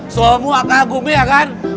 semua kagum ya kan